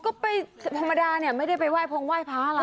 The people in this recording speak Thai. ก็ไปธรรมดาเนี่ยไม่ได้ไปไห้พงไหว้พระอะไร